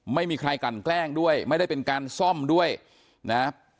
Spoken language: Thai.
ไม่มีใครกลั่นแกล้งด้วยไม่ได้เป็นการซ่อมด้วยนะ